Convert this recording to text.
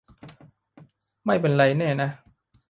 ไม่เป็นไรแน่นะ